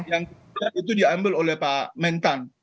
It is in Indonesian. yang kemudian itu diambil oleh pak mentan